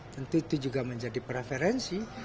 tentu itu juga menjadi preferensi